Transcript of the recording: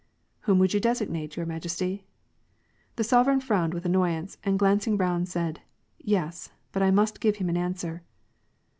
" Whom would you designate, your majesty ?'* The sovereign frowned with annoyance, and glancing round said, —" Yes, but I must give him an answer."